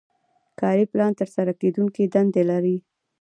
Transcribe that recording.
کاري پلان ترسره کیدونکې دندې لري.